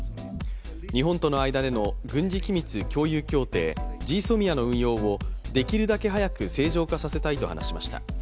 日本との間での軍事機密共有協定できるだけ早く正常化させたいと話しました。